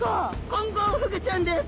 コンゴウフグちゃんです。